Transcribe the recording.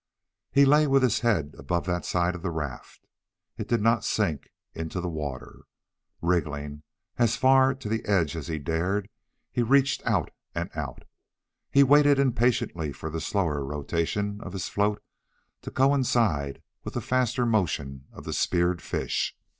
He lay with his head above that side of the raft. It did not sink into the water. Wriggling as far to the edge as he dared, he reached out and out. He waited impatiently for the slower rotation of his float to coincide with the faster motion of the speared fish.